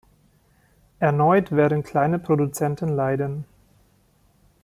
Erneut werden kleine Produzenten leiden.